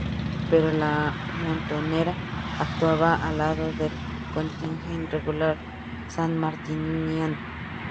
Pero la montonera actuaba al lado del contingente regular sanmartiniano.